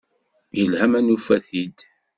Yelha ma nufa-t-id.